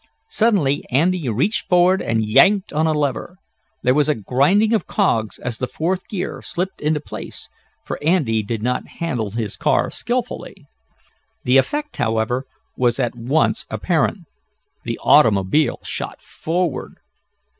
Suddenly Andy reached forward and yanked on a lever. There was a grinding of cogs as the fourth gear slipped into place, for Andy did not handle his car skillfully. The effect, however, was at once apparent. The automobile shot forward.